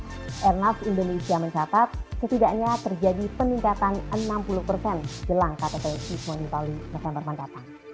airnav indonesia mencatat setidaknya terjadi peningkatan enam puluh persen jelang ktt g dua puluh bali november mendatang